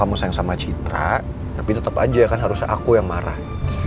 kamu sayang sama citra tapi tetap aja kan harusnya aku yang marah